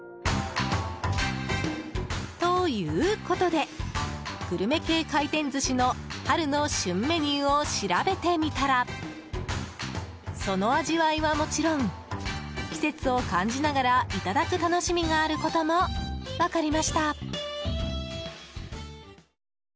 ということでグルメ系回転寿司の春の旬メニューを調べてみたらその味わいはもちろん季節を感じながらいただく楽しみがあることも分かりました。